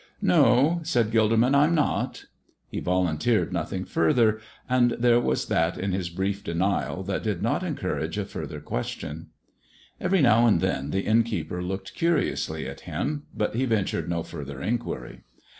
"No," said Gilderman, "I'm not." He volunteered nothing further, and there was that in his brief denial that did not encourage further question. Every now and then the innkeeper looked curiously at him, but he ventured no further inquiry.